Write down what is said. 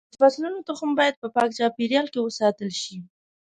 د فصلونو تخم باید په پاک چاپېریال کې وساتل شي.